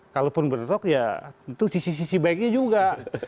kalaupun bentrok ya itu sisi sisi baiknya juga